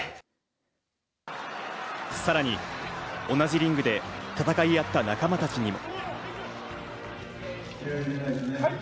さらに同じリングで戦い合った仲間たちにも。